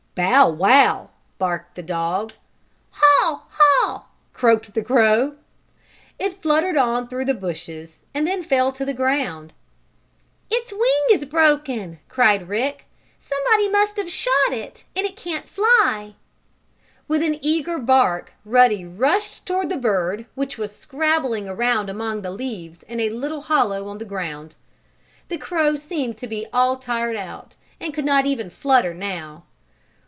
"Bow wow!" barked the dog. "Haw! Haw!" croaked the crow. It fluttered on through the bushes and then fell to the ground. "Its wing is broken!" cried Rick. "Somebody must have shot it, and it can't fly!" With an eager bark Ruddy rushed toward the bird which was scrabbling around among the leaves in a little hollow on the ground. The crow seemed to be all tired out, and could not even flutter now.